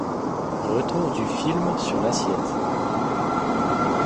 Retour du film sur l'assiette.